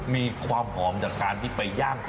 มีความหอมจากการที่ไปย่างต่อ